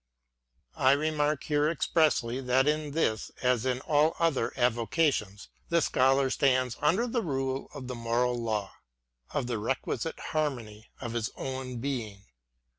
1 remark here expressly, that in this as in all his other avocations, the Scholar stands under the rule of the moral law, — of the requisite harmony of his own being.